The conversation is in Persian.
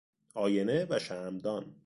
آینه و شمعدان